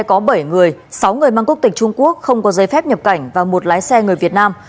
có bảy người sáu người mang quốc tịch trung quốc không có giấy phép nhập cảnh và một lái xe người việt nam